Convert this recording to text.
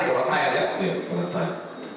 iya sudah rusak